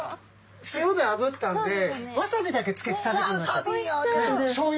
塩であぶったんでわさびだけつけて食べてみましょう。